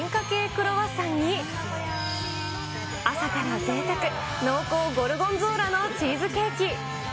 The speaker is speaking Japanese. クロワッサンに、朝からぜいたく、濃厚ゴルゴンゾーラのチーズケーキ。